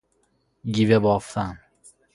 گیوه بافتن